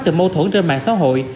từ mâu thuẫn trên mạng xã hội